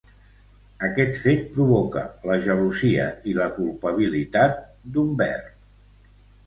Aquest fet provoca la gelosia i la culpabilitat d'Humbert.